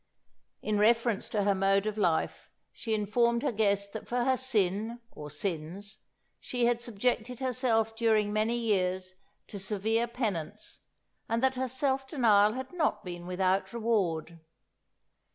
In reference to her mode of life, she informed her guest that for her sin, or sins, she had subjected herself during many years to severe penance, and that her self denial had not been without reward.